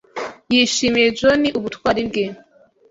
Yishimiye John ubutwari bwe.